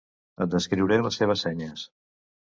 Et descriuré les seves senyes.